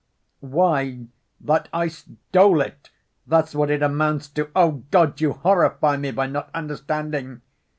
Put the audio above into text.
"Why, that I stole it, that's what it amounts to! Oh, God, you horrify me by not understanding!